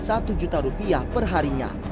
satu juta rupiah perharinya